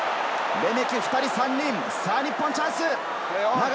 レメキ、２人、３人、日本チャンス。